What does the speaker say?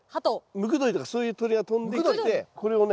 ムクドリとかそういう鳥が飛んできてこれをね